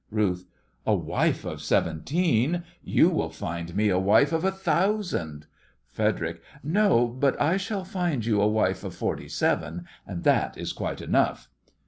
RUTH: A wife of seventeen! You will find me a wife of a thousand! FREDERIC: No, but I shall find you a wife of forty seven, and that is quite enough.